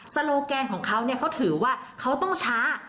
โลแกนของเขาเขาถือว่าเขาต้องช้า